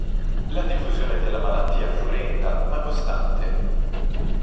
La diffusione della malattia fu lenta, ma costante.